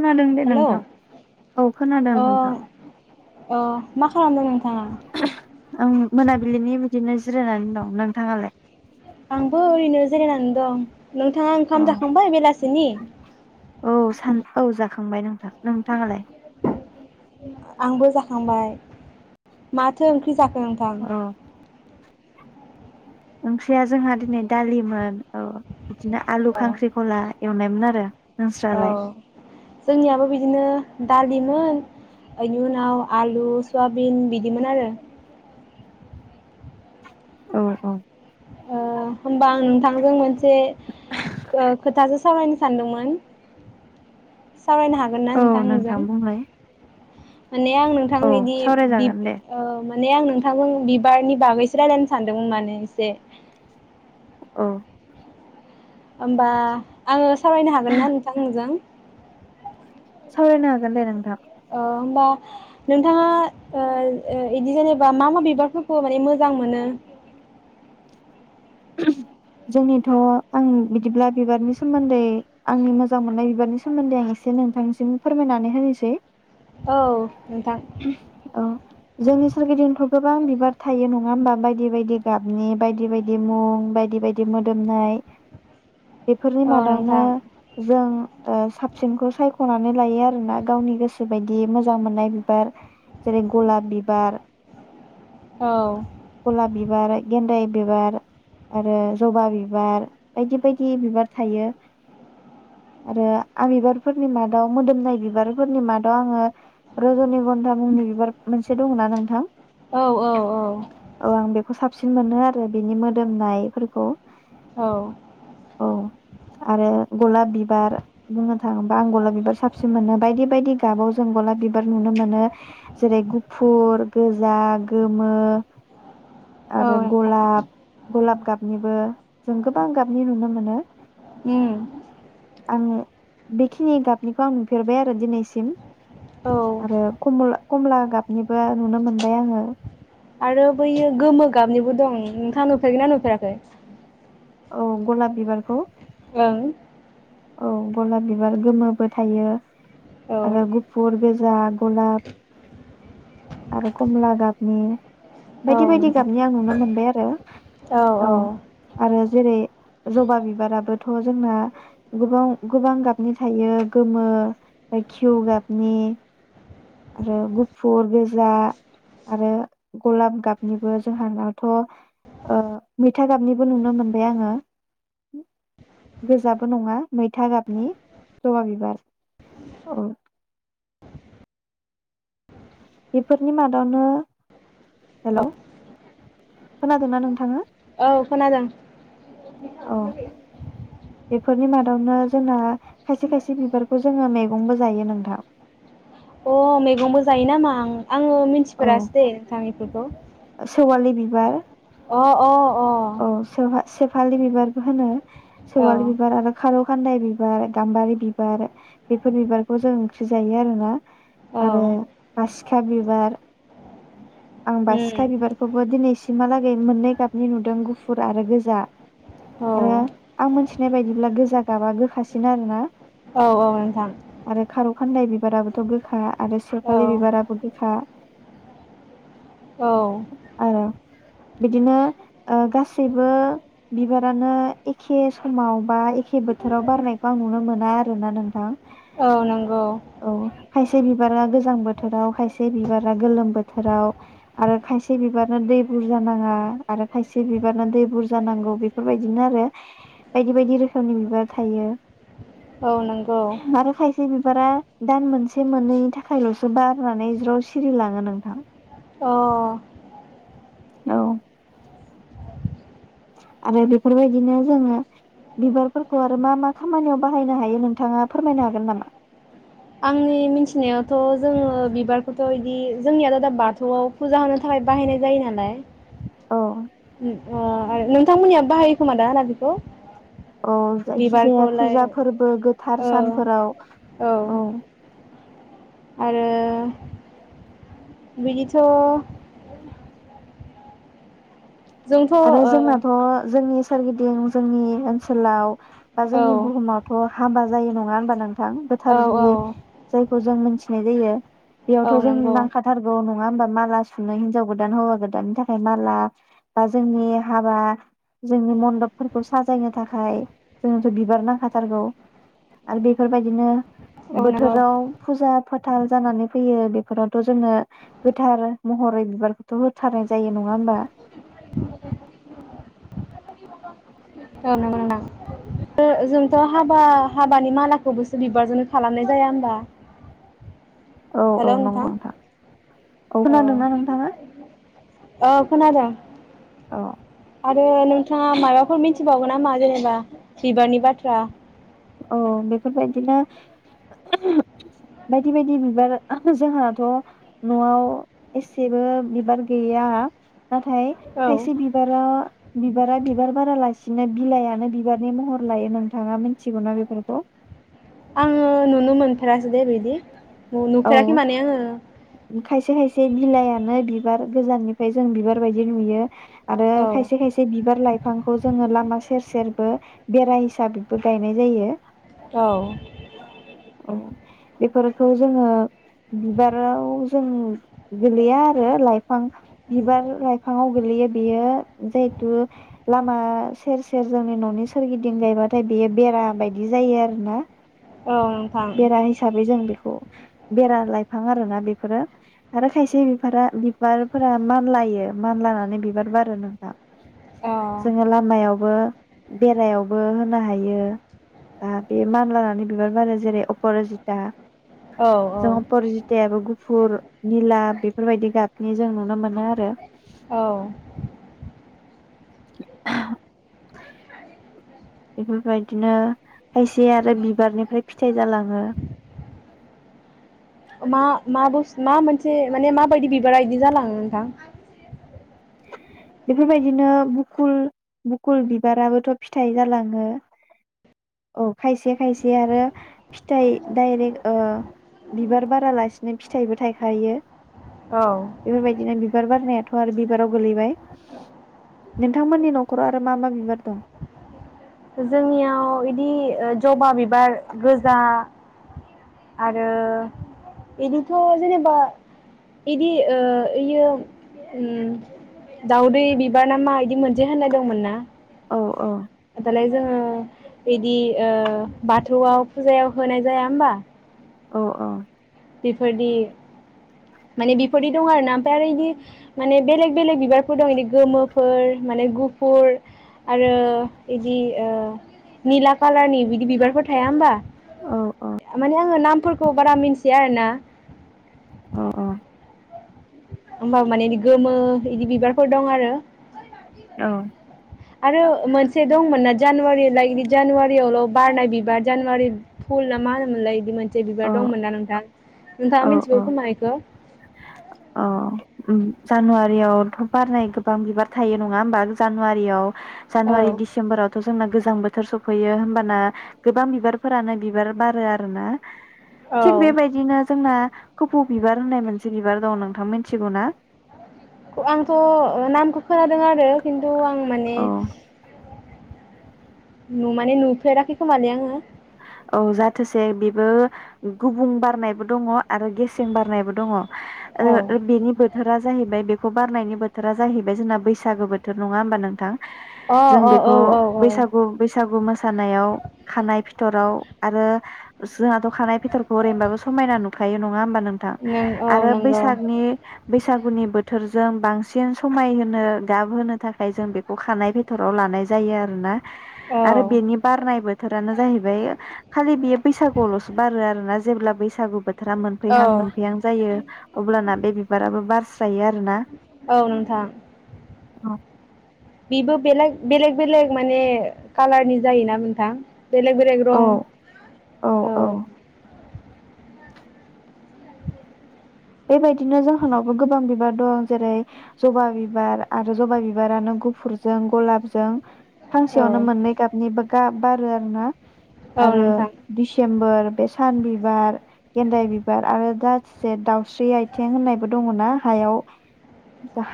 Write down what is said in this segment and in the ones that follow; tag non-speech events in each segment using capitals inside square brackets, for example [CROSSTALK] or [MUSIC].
खोनादों दे हेलौ नोंथां औ खोनादों अ नोंथां अ मा खालामदों नोंथाङा? आं मोनाबिलिनि बिदिनो जि जिरायनानै दं नोंथाङालाय? आंबो ओरैनो जिरायनानै दं। नोंथाङा ओंखाम जाखांबाय बेलासि सिनि औ सान औ जाखांबाय नोंथां नोंथाङालाय? आंबो जाखांबाय माथो ओं ख्रि जाखो नोंथां? ओंख्रिया जोंहा दिनै दालिमोन औ। बिदिनो आलु खांख्रि ख'ला। एवनायमोन आरो। औ नोंस्रालाय जोंनियाबो बिदिनो दालिमोन इनि उनाव आलु सयाबिन बिदिमोन आरो। औ औ। ओ होमबा आं नोंथांजों मोनसे खो-खोथासो सावरायनो सानदोंमोन। सावरायनो हागोन ना औ नोंथां नोंजों? बुंलाय माने आं नोंथां औ बिदि बिब सावरायजागोन दे औ मा माने आं नोंथां बिबारनि बागैसो रायलायनो सानदोंमोन माने एसे। औ। ओमबा आङो सावरायनो हागोन ना नोंथां नोंजों? सावरायनो हागोन दे नोंथां। ओ होम्बा नोंथाङा ओ ओ इदि जेनेबा मा मा बिबारफोरखौ माने मोजां मोनो? जोंनिथ' आं बिदिब्ला बिबारनि सोमोन्दै आंनि मोजां मोननाय बिबारनि सोमोन्दै आं एसे नोंथांनिसिम फोरमायनानै होनोसै। औ नोंथां। औ जोंनि सोरगिदिंथ' गोबां बिबार थायो नङा होमबा बायदि बायदि गाबनि बायदि बाय दि मुं बायदि बायदि मोदोमनाय बेफोरनि औ मादावनो नोंथां जों ओ साबसिनखौ सायख'नानै लायो आरोना गावनि गोसो बायदि मोजां मोननाय बिबार जेरै गलाब बिबार औ। बार, गेन्दाइ बिबार आरो जबा बिबार बायदि बायदि बिबार थायो आरो आं बिबारफोरनि मादाव मोदोमनाय बिबारफोरनि मादाव आङो रजनिगन्धा मुंनि बिबार मोनसे दङना नोंथां? औ औ औ। सिन मोनो आरो बेनि मो दोमनाय फोरखौ औ आरो गलाब बिबार बुंनो थाङोबा आं गलाब बिबार साबसिन मोनो बायदि बायदि गाबाव जों गलाब बिबार नुनो मोनो जेरै गुफुर, गोजा, गोमो औ आरो नोंथां गलाब गलाब गाबनिबो जों गोबां गाबनि नुनो मोनो। उम। आं बेखिनि गाबनिखौ आं नुफेरबाय आरो दिनैसिम। औ आरो कमला कमला गाबनिबो नुनो मोनबाय आङो। आरो बैयो गोमो गाबनिबो दं, नोंथाङा नुफेरगोना नुफेराखै? औ गलाब बिबारखौ। ओं। औ गलाब बिबार गोमोबो थायो। औ आरो गुफुर बे जा गलाब आरो कमला गाबनि औ बायदि बायदि नोंथां गाबनि आं नुनो मोनबाय आर [UNINTELLIGIBLE] औ आरो जेरै जबा बिबाराबोथ' जोंना गोबाव गोबां गाबनि थायो गोमो घिउ गाबनि आरो गुफुर गोजा आरो गलाब गाबनिबो जोंहानावथ' ओ मैथा गाबनिबो नुनो मोनबाय आङो गोजा बो नङा मैथा गाबनि जबा बिबार औ बेफोरनि मादावनो हेलौ खोनादोंना नोंथाङा? औ खोनादों। [UNINTELLIGIBLE] फोरनि मादावनो जोंना खायसे खायसे बिबारखौ जोङो मे गंबो जायो नोंथां। ओ मैगंबो जायो नामा आं आङो औ मिथिफेरासै दे नोंथां इद बेखौ सेवालि बिबार अ अ अ सेवहा सेफालि बिबारबो होनो अ औ सेवालि बिबार आरो खार' फानदाय बिबार गाम्बारि बिबार बेफोर बिबारखौ जों ओंख्रि जायो आरोना? औ आरो पास खा बिबार आं उम बासिखा बिबारखौबो दिनैस सिमहालागै मोननै गाबनि नुदों गुफुर आरो गोजा औ आरो आं मिथिनाय बायदिब्ला गोजा गाबा गोखासि बिदिनो आरोना? औ औ नोंथां आरो खारौ खान्दाय बिबाराबोथ' गोखा। आरो औ सेपालि बिबाराबो गोखा। औ आरो बिदिनो ओ गासैबो बिबारानो एखे समाव बा एखे बोथोराव बारनायखौ आं नुनो मोना आरोना नोंथां औ नंगौ औ खायसे बिबारा गोजां बोथोराव खायसे बिबारा गोलोम बोथ फोराव आरो खायसे बिबारनो दै बुरजा नाङा आरो खायसे बिबारनो दै बुरजा नांगौ बेफोरबायदिनो आरो बायदि बायदि रोखोमनि बिबार थायो। औ नोंगौ आरो खायसे बिबारा दान मोनसे मोननैनि थाखायल'सो बारनानै ज्र सिरिलाङो नोंथां। अह औ आरो बेफोरबायदिनो जोङो बिबारफोरखौ आरो मा मा खामानियाव बाहायनो हायो नोंथाङा फोरमायनो हागोन नामा? आंनि मिथिनायावथ' जोङो बिबारखौथ' इदि जोंनियाथ' दा बाथौआव फुजा होनो थाखाय बाहायनाय जायो नालाय अह उ अ आर नोंथांमोननिया बाहायो खोमा दा ना बेखौ? औ जायखिजाया बिबारखौलाय फुजा फोरबो गोथार औ सानफोराव औ। आरो बिदिथ' जोंथ' ओ आरो जोंनाथ' जोंनि सोरगिदिं जोंनि ओनसोलाव बा औ जोंनि बुहुमाथ' हाबा जायो नङा होनबा नों थां औ गोथार औ जुलि जायखौ जों मोन थिनाय जायो। औ बेयावथ' जों नंगौ नांखाथारगौनो नङा होमबा माला सुनो हिन्जाव गोदान हौवा गोदाननि थाखाय माला बा जोंनि हाबा जोंनि मन्दपफोरखौ साजायनो थाखाय जोंथ' बिबार नांखाथारगौ आरो बेफोरबायदिनो औ नंगौ बोथोराव फुजा फोथाल जानानै फैयो बेफोरावथ' जोंङो गोथार महरै बिबार थ' होथारनाय जायो नङा होमबा? औ नौ जोंथ' हाबा हाबानि मालाखौबोसो बिबारजोंनो खालामनाय जाया होमबा? औ औ नंगौ नोंथां औ खोनादोंना नोंथाङा? ओं खोनादों। आरो नोंथाङा माबाफोर मिथिबावगोन? ना मा जेनेबा बिबारनि बाथ्रा। औ बेफोरबायदिनो बायदि बायदि बिबार जोंहाथ' न'आव एसेबो बिबार गैया नाथाय औ खायसे बिबारा बिबारा बिबार बारा ला बिदिनो बिलायानो बिबारनि महर लायो नोंथाङा मोनथि थिगौना बेफोरखौ? आं नुनो मोननफेरासै दे बिदि। औ नुफेराखै माने आङो खायसे खायसे बिलायानो बि बिबार गोजाननिफ्राय जों बिबार बायदि नुयो आरो औ खायसे खायसे बिबार लाइफांखौ जोङो लामा सेर सेरबो बेराय फिसाबिदबो गायनाय जायो। औ। औ बेफोरखौ जोङो बिबाराव जों गोलैया आरो लाइफां बिबार लाइफाङाव गोलैयो बेयो जिहेथु लामा सेर सेर जोंनि न'नि सोरगिदिं गायबाथाय बेयो बेरा बायदि जायो आरोना? औ नोंथां बेरा हिसाबै जों बेखौ बेरा लाइफां आरोना बेफोरो आरो खायसे बिफारा बिबारफोरा मानलायो मानलानानै बिबार बारो नोंथां। जोङो औ लामायावबो बेरायावबो होनो हायो बा बे मानलानानै बिबार बारो जेरै अपरजिता औ जों अपरजितायाबो गुफुर निला बेफोरबायदि गाबनि जों नुनो मोनो आरो। औ। [UNINTELLIGIBLE] बेफोरबायदिनो खायसे आरो बिबारनिफ्राय फिथाइ जालाङो। मा मा मा मोनसे माने माबायदि बिबारा बिदि जालाङो नोंथां? बेफोरबायदिनो बुकुल बुकुल बिबाराबोथ फिथाइ जालाङो औ खायसे खायसे आरो फिथाइ डाइरेक्ट ओ बिबार बारालासिनो फिथाइबो थायखायो। औ बेफोरबायदिनो बि बिबार बारनायाथ आरो बि बिबाराव गोलैबाय नोंथांमोननि नखराव आरो मा मा बिबार दं? जोंनियाव इदि ओ जबा बिबार गोजा आरो बिदिथ जेनेबा इदि ओ ओइयो होम दाउदै बिबार ना मा? दि मोनसे होननाय दंमोन ना? औ औ लाय जोङो बिदि ओ बाथौआव फुजायाव होनाय जाया होमबा? औ औ बिफोरदि माने बेफोरदि दं आरोना ओमफ्राय आरो इदि माने बेलेग बेलेग बिबारफोर दं यिदि गोमोफोर माने गुफुर आरो इदि ओ निला कालारनि बिदि बिबारफोर थाया होमबा? औ माने आङो नाम फोरखौ बारा मिनथि या आरो ना औ होमबाबो माने इदि गोमो इदि बिबारफोर दं आरो। औ आरो मोनसे दंमोन ना जानुवारिलाय बिदि जानुवारियावल बारनाय बिबार जानुवारि फुल ना मा होनोमोनलाय इदि मोनसे जे बिबार दंमोन ना नोंथां नोंथाङा औ मिथिगौ औ खोमा इखौ। ओम जानुवारियावथ बारनाय गोबां बिबार थायो नङा होमबा जानुवारियाव औ जानुवारि दिसेमबरावथ जोंना गोजां बोथोर सफैयो होमबाना गोबां बिबारफोरानो बिबार बारो आरो ना। औ थिग बेबायदिनो जोंना खफौ बिबार होननाय मोनसे बिबार दं नोंथां मिथिगौ ना? आंथ' नामखौ खोनादों आरो खिन्थु आं माने औ नु माने नुफेराखै खोमालै आङो। औ जाथोसे बेबो गुबुं बारनायबो दङ आरो गेसें बारनायबो दङ। औ ओ बेनि बोथोरा जाहैबाय बेखौ बारनायनि बोथोरा जाहैबाय जोंना बैसागो बोथोर नङा होमबा नोंथां? अ जों अ औ बेखौ औ औ बैसागु बैसागु मोसानायाव खानाय फि फिथ'राव आरो जोंहाथ' खानाय फिथरखौ ओरैनोबाबो समायना नुखायो नङा होमबा नोंथां नों औ आरो नंगौ बैसागनि बैसागुनि बोथोर जों बांसिन समायहोनो गाबहोनो थाखाय जों बेखौ खानाय फेथराव लानाय जायो आरो ना। औ आरो बेनि बारनाय बोथोरानो जाहैबाय [UNINTELLIGIBLE] खालि बेयो बैसागुआवल'सो बारो आरो ना जेब्ला बैसाग [INAUDIBLE] [UNINTELLIGIBLE] बोथोरा औ मोनफैहां मोनफैहां जायो अब्लाना बे बिबाराबो बारसि औ नोंथां [UNINTELLIGIBLE] बेबो बेलेग बेलेग बेलेग माने कालारनि जायोना नोंथां? बेलग बेलेग औ रं औ बेबायदिनो जोंहानावबो गोबां बिबार दं जेरै जबा बिबार आरो जबा बिबारानो गुफुरजों गलाबजों औ फांसेयावनो मोननै गाबनि गाब बारो आरो ना औ आरो नोंथां दिसेम्बर बे सान बिबार गेन्दाय बिबार आरो दा [UNINTELLIGIBLE] दाउस्रि आइथें होननायबो दङ ना हायाव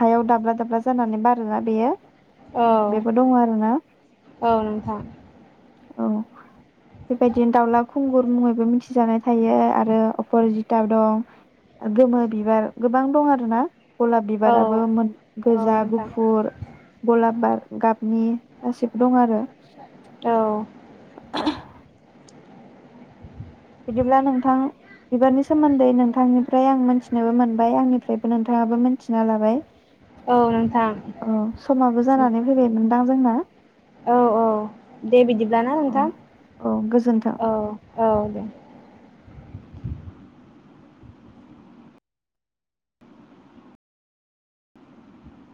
हायाव दाब्ला दाब्ला जानानै बारोना बेयो औ बेबो दङ आरोना औ नोंथां औ बेबायदिनो दाउला खुंगुर मुङैबो मिथिजानाय थायो आरो अपरजिता दं गोमो बिबार गोबां दं आरो ना गलाब औ बिबाराबो मोन औ गोजा नोंथां गुफुर गलाब बार गाबनि गासिबो दं आरो औ बिदिब्ला नोंथां बिबारनि सोमोन्दै नोंथांनिफ्राय आं मोनथिनोबो मोनबाय आंनिफ्रायबो नोंथाङाबो मोनथिना लाबाय औ नोंथां अ समाबो जानानै फैबायमोन दा जोंना औ औ दे बिदिब्लाना औ नोंथां औ गोजोन्थों औ औ दे